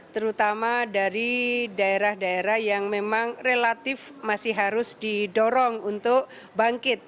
terutama dari daerah daerah yang memang relatif masih harus didorong untuk bangkit